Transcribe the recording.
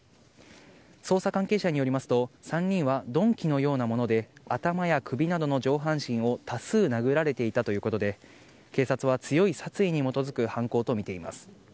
捜査関係者によりますと、３人は鈍器のようなもので頭や首などの上半身を多数殴られていたということで、警察は強い殺意に基づく犯行と見ています。